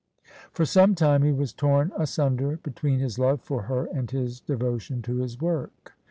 For some time he was torn asunder between his love for her and his devotion to his work.